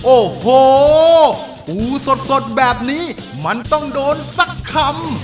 โอ้โหปูสดแบบนี้มันต้องโดนสักคำ